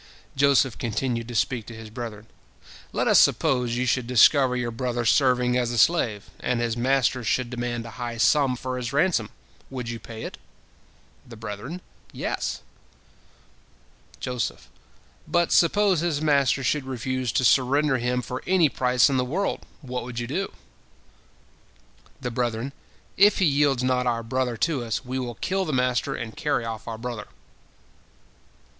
Joseph continued to speak to his brethren: "Let us suppose you should discover your brother serving as a slave, and his master should demand a high sum for his ransom, would you pay it?" The brethren: "Yes!" Joseph: "But suppose his master should refuse to surrender him for any price in the world, what would you do?" The brethren: "If he yields not our brother to us, we will kill the master, and carry off our brother."